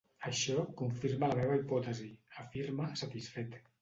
Això confirma la meva hipòtesi —afirma, satisfet—.